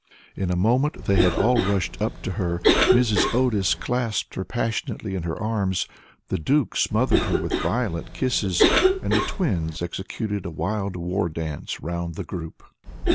In a moment they had all rushed up to her. Mrs. Otis clasped her passionately in her arms, the Duke smothered her with violent kisses, and the twins executed a wild war dance round the group.